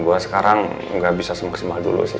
gue sekarang gak bisa semaksimal dulu sih